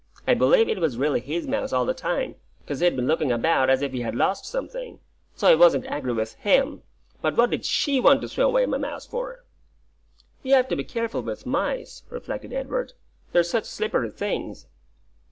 I believe it was really his mouse all the time, 'cos he'd been looking about as if he had lost something, so I wasn't angry with HIM; but what did SHE want to throw away my mouse for?" "You have to be careful with mice," reflected Edward; "they're such slippery things.